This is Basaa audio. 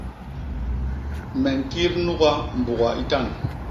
Me ñkit nuga mbuga itan.